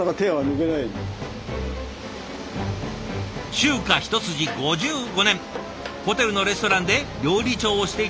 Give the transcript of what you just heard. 中華一筋５５年ホテルのレストランで料理長をしていた保永さん。